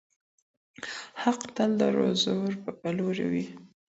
حق تل د زورور په لوري وي.